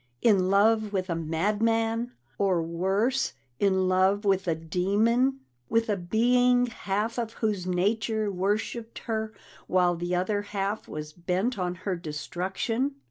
In love with a madman! Or worse in love with a demon! With a being half of whose nature worshiped her while the other half was bent on her destruction!